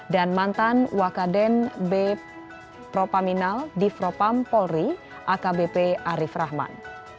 dan mantan wakaden b propaminal divropam polri akbp arief rahman